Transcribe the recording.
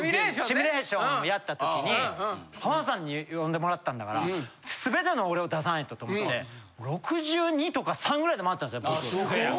シミュレーションをやった時に浜田さんに呼んでもらったんだから全ての俺を出さないとと思って６２とか６３ぐらいでまわってたんですよ